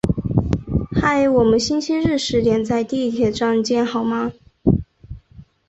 嗨，我们星期日十点在地铁站见好吗？